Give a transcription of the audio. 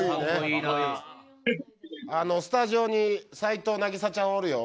スタジオに齊藤なぎさちゃんおるよ。